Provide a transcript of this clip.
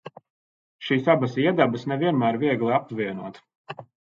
Šīs abas iedabas ne vienmēr viegli apvienot.